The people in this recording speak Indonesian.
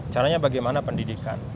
caranya bagaimana pendidikan